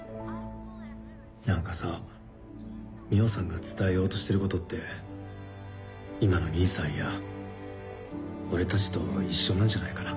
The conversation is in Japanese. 何かさ海音さんが伝えようとしてることって今の兄さんや俺たちと一緒なんじゃないかな。